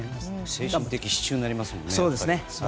精神的支柱になりますもんね。